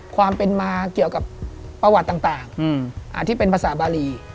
ความเป็นมาเกี่ยวกับประวัติต่างที่เป็นภาษาบารี